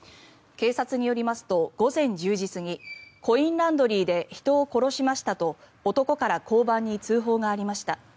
警察によりますと午前１０時過ぎコインランドリーで人を殺しましたと男から交番に通報がありました。